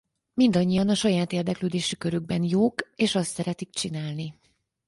Mindannyian a saját érdeklődési körükben jók és azt szeretik csinálni.